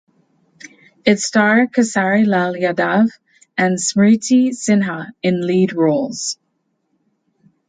Its star Khesari Lal Yadav and Smriti Sinha in lead roles.